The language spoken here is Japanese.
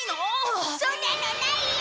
そんなのないよ！